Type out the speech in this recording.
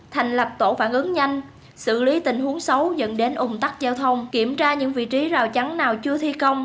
thành lập tổ phản ứng nhanh xử lý tình huống xấu dẫn đến ủng tắc giao thông kiểm tra những vị trí rào chắn nào chưa thi công